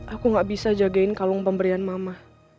aku gak bisa jagain kalung pemberian mama